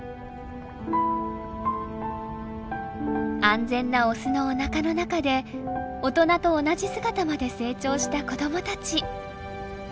安全なオスのおなかの中で大人と同じ姿まで成長した子どもたち。